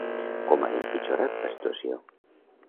Com ha empitjorat la situació?